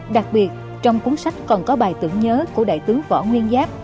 đặc biệt trong cuốn sách còn có bài tưởng nhớ của đại tướng võ nguyên giáp